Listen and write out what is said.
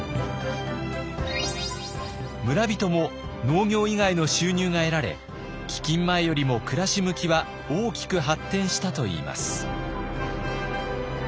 村人も農業以外の収入が得られ飢饉前よりも暮らし向きは大きく発展したといいます。